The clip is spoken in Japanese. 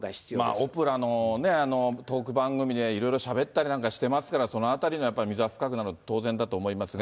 オプラのトーク番組でいろいろしゃべったりなんかしてますから、そのあたりのやっぱり溝が深くなるのは当然だと思いますが。